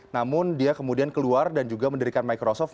namun dia kemudian keluar dan juga mendirikan microsoft